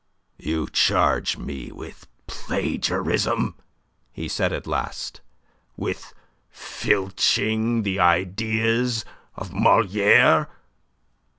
"You charge me with plagiarism," he said at last; "with filching the ideas of Moliere."